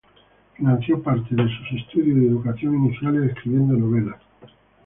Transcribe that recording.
Financió parte sus estudios y educación iniciales escribiendo novelas.